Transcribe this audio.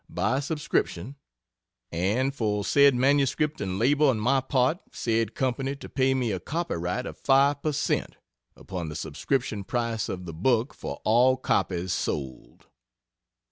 by subscription and for said MS and labor on my part said Company to pay me a copyright of 5 percent, upon the subscription price of the book for all copies sold.